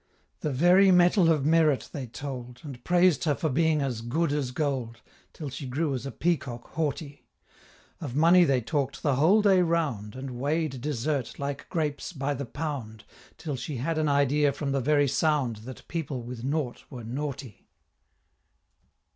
The very metal of merit they told, And praised her for being as "good as gold"! Till she grew as a peacock haughty; Of money they talk'd the whole day round, And weigh'd desert, like grapes, by the pound, Till she had an idea from the very sound That people with nought were naughty.